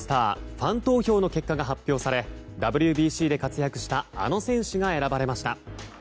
ファン投票の結果が発表されＷＢＣで活躍したあの選手が選ばれました。